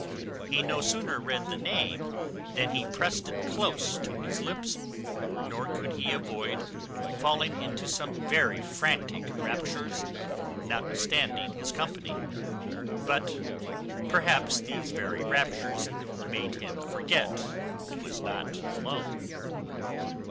He no sooner read the name than he prest it close to his lips; nor could he avoid falling into some very frantic raptures, notwithstanding his company; but, perhaps, these very raptures made him forget he was not alone.